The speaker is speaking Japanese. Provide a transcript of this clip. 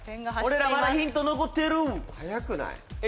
俺らまだヒント残ってる早くない？